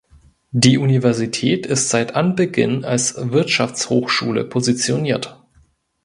Die Universität ist seit Anbeginn als Wirtschaftshochschule positioniert.